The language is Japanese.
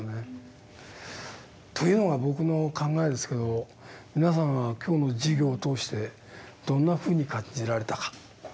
というのが僕の考えですけど皆さんは今日の授業を通してどんなふうに感じられたか？